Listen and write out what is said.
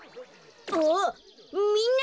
あみんな！